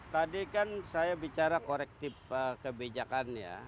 tadi kan saya bicara korektif kebijakan ya